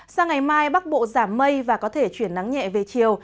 sang ngày mai bắc bộ giảm mây và có thể chuyển nắng nhẹ về chiều